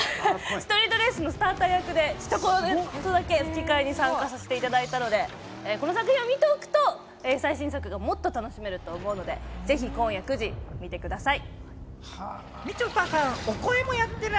ストレートレースのスターター役で吹き替えに参加させていただいたので、この作品を見ておくと、最新作がもっと楽しめると思うので、ぜひ今夜９時、見てください。